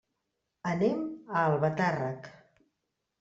Anem a Albatàrrec.